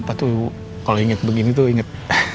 papa tuh kalau inget begini tuh inget